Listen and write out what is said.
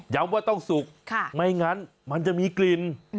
ว่าต้องสุกไม่งั้นมันจะมีกลิ่น